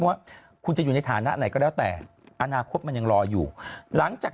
ว่าคุณจะอยู่ในฐานะไหนก็แล้วแต่อนาคตมันยังรออยู่หลังจาก